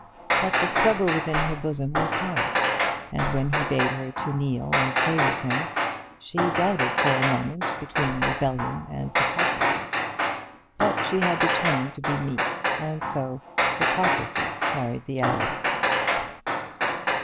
But the struggle within her bosom was hard, and when he bade her to kneel and pray with him, she doubted for a moment between rebellion and hypocrisy. But she had determined to be meek, and so hypocrisy carried the hour.